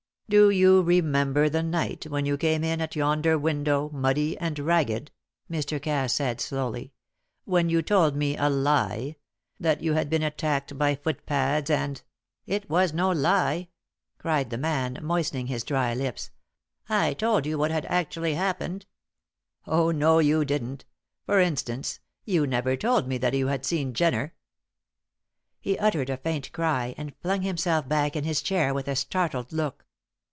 "Do you remember the night when you came in at yonder window, muddy and ragged?" Mr. Cass said, slowly. "When you told me a lie that you had been attacked by footpads and " "It was no lie!" cried the man, moistening his dry lips. "I told you what had actually happened." "Oh, no, you didn't. For instance, you never told me that you had seen Jenner." He uttered a faint cry, and flung himself back in his chair with a startled look.